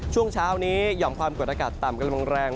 ช่วงเช้านี้หย่อมความกดอากาศต่ำกำลังแรง